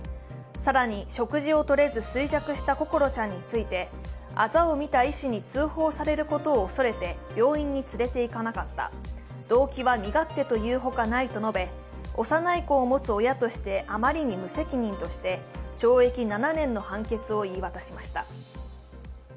さらに食事をとれず衰弱した心ちゃんについてあざを見た医師に通報されることを恐れて病院に連れていかなかった、動機は身勝手というほかないと見られ幼い子を持つ親としてあまりに無責任として、懲役７年の判決を言い渡しました。